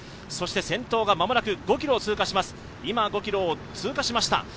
そして先頭が間もなく５ｋｍを通過します、今５ｋｍを通過しました。